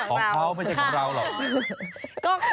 ของเขาไม่ใช่ของเราหรอก